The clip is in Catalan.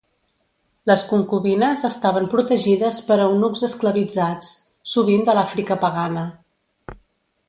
Les concubines estaven protegides per eunucs esclavitzats, sovint de l'Àfrica pagana.